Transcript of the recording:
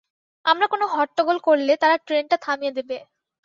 আমরা কোনো হট্টগোল করলে তারা ট্রেনটা থামিয়ে দেবে।